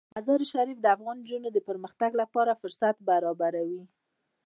مزارشریف د افغان نجونو د پرمختګ لپاره فرصتونه برابروي.